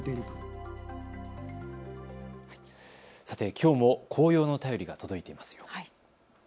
きょうも紅葉の便りが届いています。